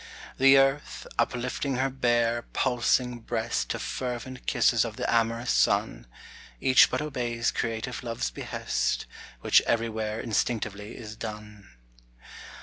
The earth, uplifting her bare, pulsing breast To fervent kisses of the amorous sun; Each but obeys creative Love's behest, Which everywhere instinctively is done.